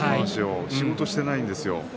仕事をしていないんですよ。